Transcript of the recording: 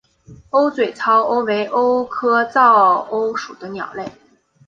鸥嘴噪鸥为鸥科噪鸥属的鸟类。